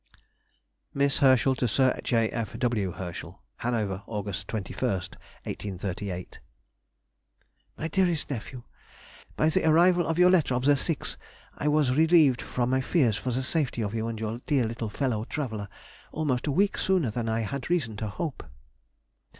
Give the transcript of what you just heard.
MISS HERSCHEL TO SIR J. F. W. HERSCHEL. HANOVER, Aug. 21, 1838. MY DEAREST NEPHEW,— By the arrival of your letter of the 6th I was relieved from my fears for the safety of you and your dear little fellow traveller, almost a week sooner than I had reason to hope.